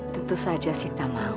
tentu saja sita mau